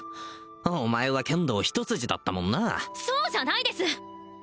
お前は剣道一筋だったもんなそうじゃないです！